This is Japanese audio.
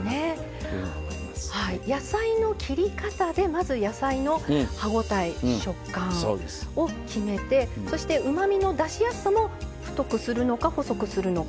野菜の切り方でまず野菜の歯応え、食感を決めてそして、うまみの出しやすさも太くするのか細くするのか